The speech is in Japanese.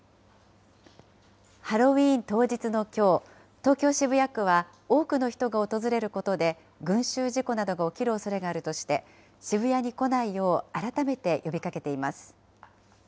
ハロウィーン当日のきょう、東京・渋谷区は多くの人が訪れることで群集事故などが起きるおそれがあるとして、渋谷に来ないよう改めて呼びかけています。